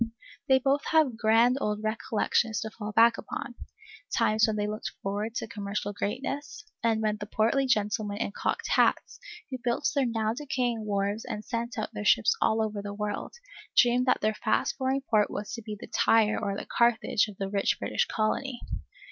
They both have grand old recollections to fall back upon, times when they looked forward to commercial greatness, and when the portly gentlemen in cocked hats, who built their now decaying wharves and sent out their ships all over the world, dreamed that their fast growing port was to be the Tyre or the Carthage of the rich British Colony.